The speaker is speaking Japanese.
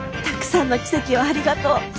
たくさんの奇跡をありがとう。